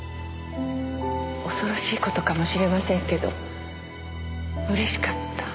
恐ろしい事かもしれませんけどうれしかった。